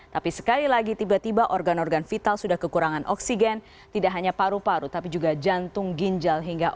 tapi sekali lagi tiba tiba organ organ vital sudah kekurangan oksigen tidak hanya paru paru tapi juga jantung ginjal hingga otak